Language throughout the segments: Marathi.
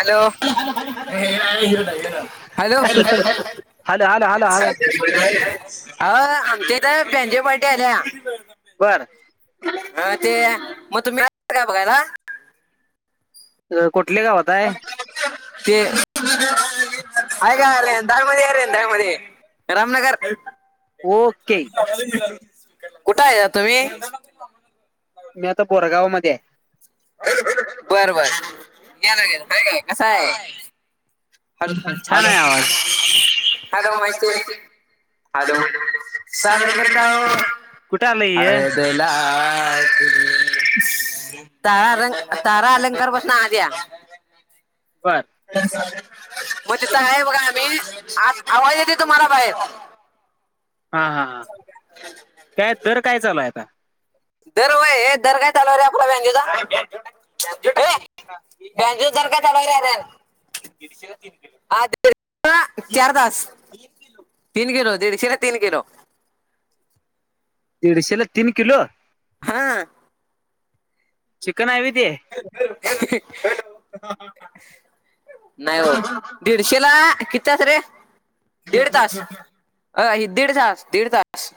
हॅलो हॅलो ह हाालो हालो [unintelligible] अ आमच्याथ तरबेजंपार्टी आल्या बरं ह ते मग तुम्ही का बघायला कुठल्या गावात आहे ते आहेय काले दाळममध्ये यार दाळ मध्ये रामनगर, ओके कुठे आहे तुम्ही? मी आता बोरगाव मध्ये आहे बर बर गला गेल का का कस आहे हॅ आहे छान हॅलो आहे आवाज हॅलो मा हॅलो स का कुठे आलं हे अरे देकि लात [unintelligible] तारा अलं तारा अलंकार बसून आ द्या [unintelligible] बर मग तिथ आहे बघा आम्ही आज आवाज येते तुम्हाला बाहेर ह हा काय दर काय चालूय आता दर व दर काय चालू रे आपला बेंजोचा बेंजोसरखा आलयर श चार दास कल तीन किलो दीडशे ना तीन किलो दीडशेला तिन किलो हा [unintelligible] चिकन आहेित. हॅलो. नाही हो दीडशे ला कितीती रे. दीड तास अ दीड तास दीड तास.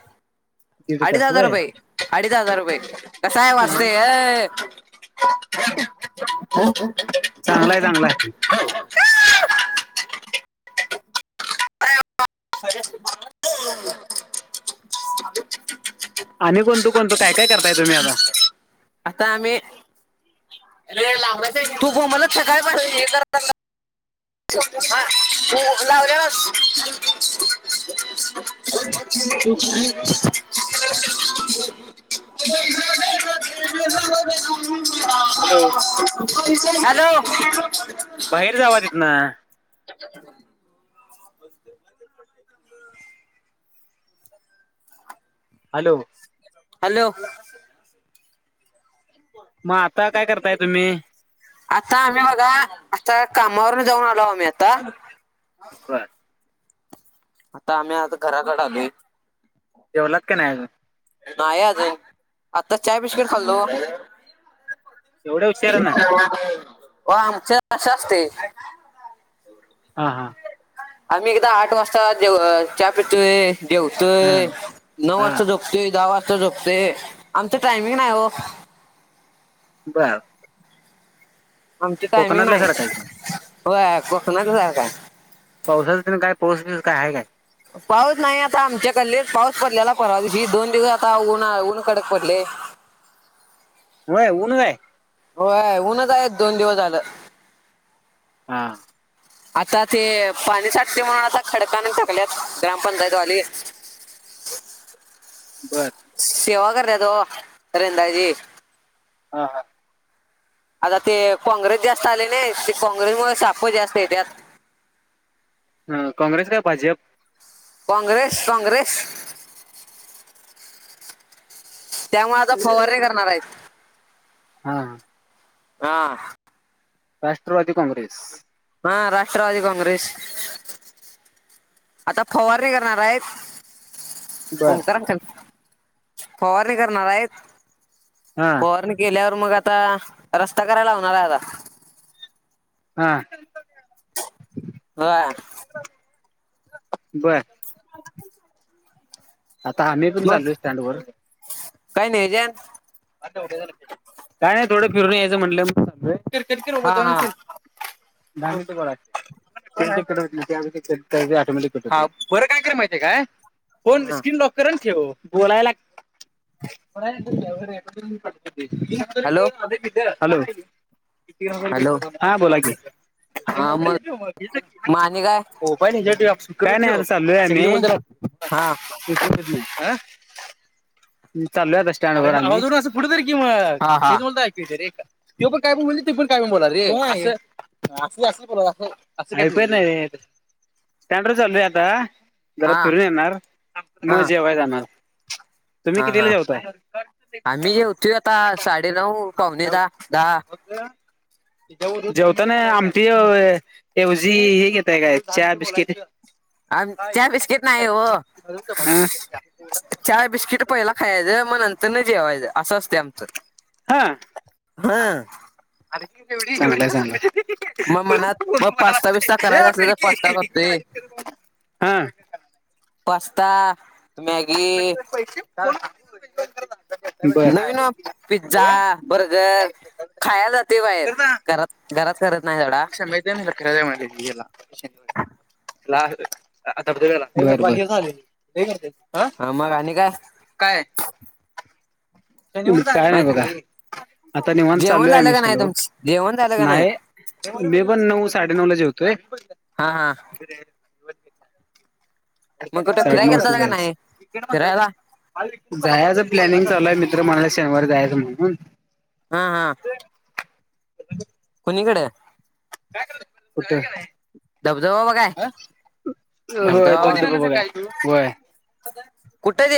दीड अडीच तास हजार वय रुपई अडीच हजार रुपय कसा आहे वाजतेय. हो. चांगला आहे चांगला आहे अ. ह. आणि कोणतं कोणतं काय काय करताय तुम्ही आता आता आम्ही रेळ लाग तू मला सकाळ. हा त लावस. [unintelligible] [unintelligible] हॅलो. हॅलो. बाहेर जाव तिथन. [unintelligible] हॅलो. हॅलो. मग आता काय करताय तुम्ही आता आम्ही बघा आता कामावरून जाऊन आलो आम्ही आता बर. आता आम्ही आता घराकडे आलो. जवलात काी नाही अजून नाही अजून आताच चाय बिस्किट खाल्लो. एवढ्या उशिरा ना हो आमच्याश असते. हा हा. आम्ही एकदा आठ वाजता च प तो देवत हा नऊ हा वाजता जो. ते दहा वाजता झोपते आमच टायमिंग नाही हो. बर. आमची कायम कोकणातल्या नाही सारखं आहे पण हो बसणच सारख. पावसा काय पाऊस पस काय आहे काय? पाऊस नाही आता आमच्याकडले पाऊस पडल्याला परवा ही दोन दिवस आता ऊन ऊन कडक पडले. होय ऊन का? होय उनच आहेत दोन दिवस झालं. हा. आता ते पाणी साठते म्हणून आता खडका नाही टाकल्यात ग्रामपंचायतवाली बरं. सेवा कर्या तो रिंद जी हा हां. आता ते काँग्रेस जास्त आले नाही ते काँग्रेस म साप जास्त आहे त्यात. हा काँग्रेस काय भाजप काँग्रेस काँग्रेस. त्यामुळे आता फवारणी करणार आहेत. हम्. हा. राष्ट्रवादी काँग्रेस हा राष्ट्रवादी काँग्रेस आता फवारणी करणार आहेत. बर ओमकार अंकल फवारणी करणार आहेत. हा फवारनी केल्यावर मग आता रस्ता करायला लावणार आहे आता हा. व्हय. बर. आता आम्ही पण मग चालोय स्टँडवर. काय नियोजन काय नाही थोडं फिरून यायंच म्हटलं मग. हा हा दहा मिनिट बोला की. हा बर काय कर माहितेय काय. फोन हा स्क्रीन लॉक कर आणि ठेव बोलायला. Hello hello. ते तीन हजार हॅलो दिलतो हा बोला की. हा मग म आणि काय मोबाईल हेच्यावर ठेवूया काय नाही चाललोय आम्ही हा. चाललोय आता स्टँडवर आम्ही. कुठ तरी किंवा हा हा हेच बोलत ऐ ते पण काय बोल ते पण काय बोला रे. असच असच ऐकू नाही येत स्टँडवर चाललोय आता. जरा हा फिरून येणार हा मग जेवायला जाणार तुम्ही हा कितीला हा जेवताय. आम्ही जेवतोय आता साडेनऊ, पावणे दहा, दहा. जेवतान आमटी ऐवजी हे घेतो. घेताय काय चहा बिस्किट आम चहा बिस्किट चाय बिस्किट पहिला खायाचं, मग नंतरण जेवायचं असं असतय आमचं. हां हा चांगल आहे चांगल आहे. मग मनात मग पास्ताबिस्ता करायचा असल तर पास्ता करतोय. हा पास्ता मॅगी, पैसे [unintelligible] नवीन पिझ्झा, बर्गर, खायला जातोय बाहेर. घरात घरात करत नाही सोडा. माहितेय काय फिरायला जायचय. त्याला धबधब्याला आताच आलोय लय गर्दी आहे. हा मग आणि काय. काय. काय नाही बघा आता निवांत जेवण चाललोय. झालं आम्ही का नाही स्टँडवर तुमच जेवण झालं का नाही नाय मी पण नऊ साडे नऊला जेवतोय. हा हा. हो. मग कुठं साडे फिरायला नऊ वाजता गेलता का नाही जायचं. फिरायला जायचं प्लॅनिंग चालूय मित्र म्हणाला शनिवारी जायचं म्हणून हा हा. कुणीकडे कुठे बजबा [unintelligible] होय बरोबर आहे होय. मतदान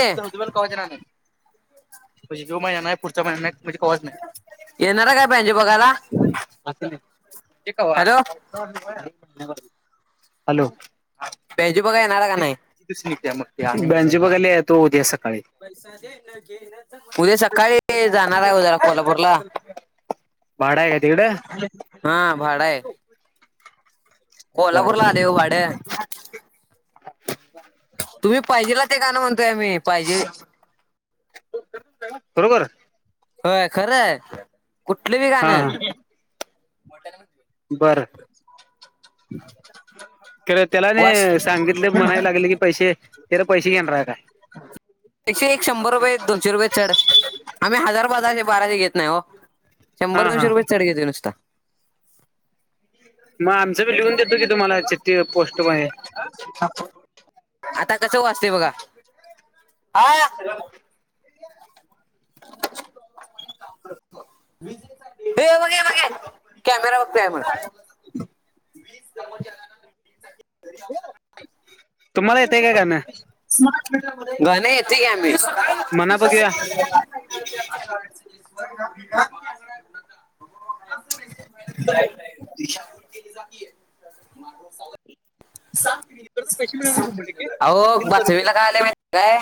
तु धबधब्याला कवाच येणार नाहीस म्हणजे ह्यो महिना पुढच्या महिन्यात नाही म्हणजे कवाच नाही. येणार काय बँजो बघायला का हॅलो हॅलो. पहिजू बघा येणार का नाही. तसघ आहे मग तेमहीणजी बघायला येतो होते्या सकाळी उदे सकाळी ते जाणार आहे उद्याला कोल्हापूरला भाडा आहे का तिकडे हा भाड आहे. बरं कोल्हापूर आलय बरं व भाड. तुम्ही पाहिजेला ते गाण म्हणतोय आम्ही. पाहिजे बरोबर होय खर आहे. कुठल बी गाण. हा बर त्याला वास न सांगितले म्हणायला लागले की पैसे. त्याला पैसे घेणार आहे काय? एकशे एक शंभर रुपये दोनशे रुपये चढ. आम्ही हजार पजारशे बाराशे घेत नाही हो. शंभर, हा दोनशे हा रुपय चढ घेतो नुसता. मग आमच बी लिहून देतो की तुम्हाला चिठ्ठी. पोस्ट मध्ये आता कस वाजतय बघा. [unintelligible] [unintelligible] कॅमेरा बघतोय म्ह [unintelligible] तुम्हाला येतय काय गाणं गाण येते की आम्ही. म्हना बघुया. [inaudible] ती जातीये. अहो बचवीला काय आलय काय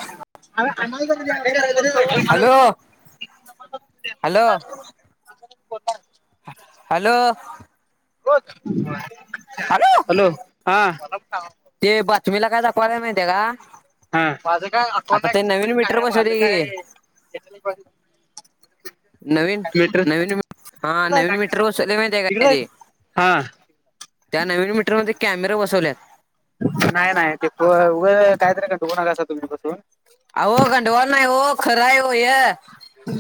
हॅलो [unintelligible] हॅलो [unintelligible] हॅलो हॅलो हा ते बातमीला काय दाखवायल माहिती आहे का? माझ आता ते नवीन मीटर काय माझ बसवले काय की [unintelligible] नवीन नवीन हा नवीन मीटर बसवले माहीती का ते. हा त्या नवीन मीटरमध्ये कॅमेरे बसवल्यात. नाही नाही ते उ काहीतरी कात होणा कसा तुम्हीपसून अ गंडवाल नाही हो. खर आहे हो हे.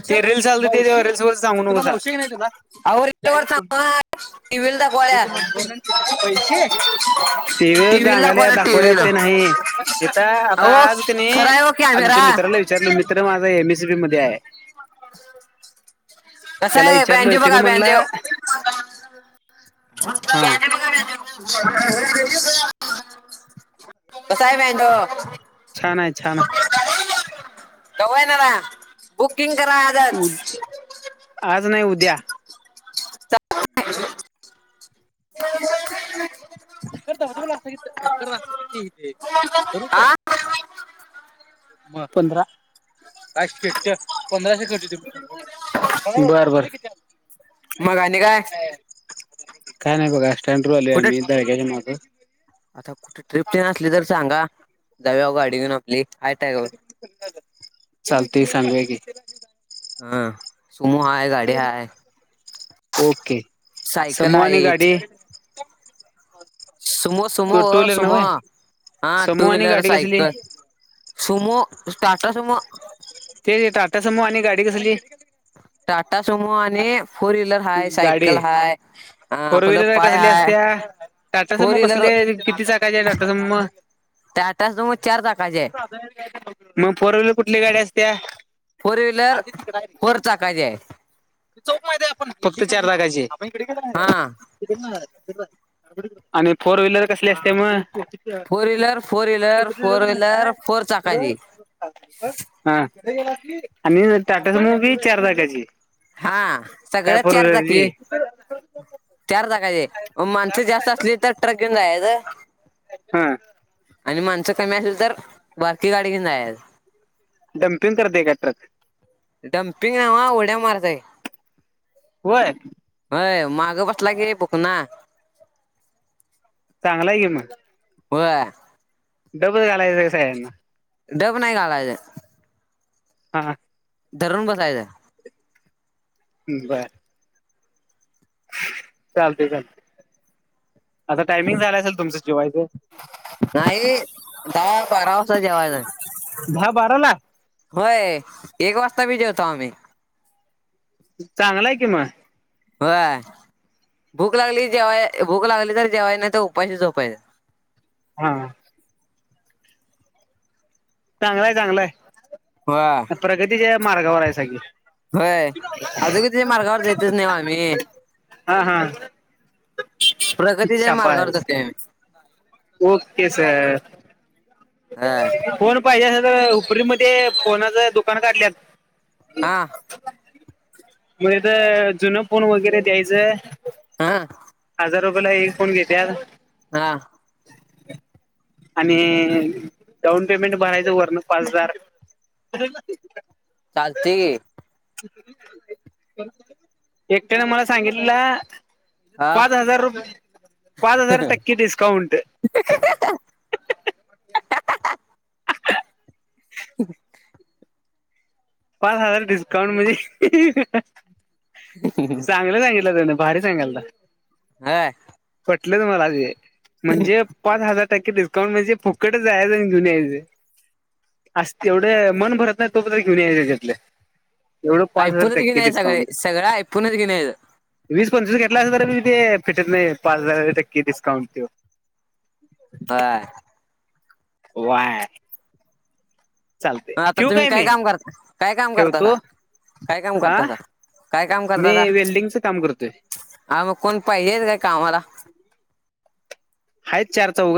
ते रीलल्स आलते ते रीलल्स वरच सांगु नको त्याला. [unintelligible] टी व्हीवर टीव्हीला रांगाल्या दाखवाल्या दाखवल्या टीव्हीला ते नाही इथ आता अहो आज क नाही खरा आहे हो कॅमेरा आमच्या मित्राला विचारल. मित्र माझा एम एसीपी मध्ये आहे. [unintelligible] कसा त्याला आहे. विचारलोय बँजो त्यानं बघा म्हणला बँजो. हा [unintelligible] कसा आहे बॅन्जो. छान आहे. छान आहे. कवा एनार. बुकिंग करा आजच. आज नाही उद्या. [unintelligible] हा [unintelligible] म पंधरा, पाशेच्या पंधराशे कट होतील. बर बर. मग आणि काय काय नाहि बगा स्टैंडवर वर आलो कुठे आम्ही. ब्यागाच्या माग आता कुठे ट्रिपतेन असली तर सांगा. जाऊया गाडी घेऊन आपली. आहे चालते सांगु या की. हा समूहा गाड्या हाय, ओके सायकल समूह आणि आहेत. गाडी Sumo, Sumo, two wheeler Sumo नव्ह हा टू समूह आणि व्हीलर, गाडी कसली सायकल समो स्टारटा समो. ते टाट सुमोह आणि गाडी कसली? टाटा सोमो आणि फोर व्हीलर हाय, सायकल हाय, अ टु आपलं विलर पाय कसल्या हाय असत्या, फोर टाटासमो कसली व्हीलर ये किती चाकाची आहे टाटासुमो? टाटा सुमो चार चाकाची आहे. मग फोर व्हीलर कुठली गाडी असत्या? फोर व्हहीलर, फोर चाकाची आहे. चौक माहित आहे आपण, फक्त चार जागाची आप इकडे काय हा रहाय आहे. आणि फोर व्हीलर कसले असते मग? Four wheeler, four wheeler, four wheeler, four चाकाची. हा काय, ह टाटा सुमो बि चार चाकाची. हा सगळं फोर चारचाकी. व्हीलरची चार चाकाचे माणसं जास्त असली तर ट्रक येऊन जायच. हम्म. आणि माणसं कमी असेल तर बारकी गाडीन घेऊन जायाच. डम्पिंग तेन करते का ट्रक? डंपिंग हा ऊड्या मारतेई. होय. होय मांग बसला की बोकना. चांगला आहे की मग. बया. डब घालायच का सयांनी. डब नाही घालायचं. हां.. धरून बसायचं. बरं. चालतेय, चालते आता टायमिंग झाला असेल तुमचं जेवायच? नाहीत. दहा, बारा वाजता जेवायला. दहा, बाराला. होय एक वाजता बी जेवतो आम्ही. चांगलाय कि मग. होय भूक लागली जेवय, भूक लागली तर जेवाय नाही तर उपाशी झोपायच. आहा. [unintelligible] चांगलाय, चांगलाय. ह.. प्रगतीच्या मार्गावर आहेसाकी. होय अजून क त मार्गावर जायचच नाही आम्ही. हा हा. प्रगतीच्या मार्गावर शाबास जातोय आम्ही. Okay, sir. होय फोन पाहिजे अस तर उपरी मध्ये फोनाच दुकान काढल्यात. हा. म तिथ जुनं फोन वगैरे द्यायचं हा.. हजार रुपयाला एक फोन घेत्यात. हा. आणि डाउन पेमेंट भरायचं, वरनं पाच हजार. चालतय की, एकट्याने मला सांगितला हा पाच हजार रुप, पाच हजार टक्के डिस्काउंट ह ह पाच हजार डिस्काउंट म्हणजे, चांगलं सांगितलं त्यानं भारी सांगालता. व्हय. पटलच मला ते म्हणजे पाच हजार टक्के डिस्काउंट म्हणजे, फुकटच जायचं आणि घेऊन यायचं. असं तेवढे मन भरत नाही तो पतर घेऊन यायचं त्याच्यातले आय फोनच घेऊन यायचं सगळे, सगळं आय फोनच घेऊन यायचं. वीस - पंचवीस घेतला असल, तर बी ते फिटत नाही ते. पाच हजार टक्के डिस्काउंट देऊन. व्हय वय म आता ठेवू तुम्ही काय मी काम करता, काय काम करता ठेवतो काय काम हा करतासा? काय काम मी करतासा वेल्डिंगचं काम करतोय. हा मग कोण पाहिजेेत काय कामाला? आहेत चार -चौघ